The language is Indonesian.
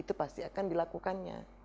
itu pasti akan dilakukannya